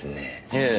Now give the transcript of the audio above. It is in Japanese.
ええ。